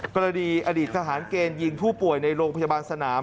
กรณีอดีตทหารเกณฑ์ยิงผู้ป่วยในโรงพยาบาลสนาม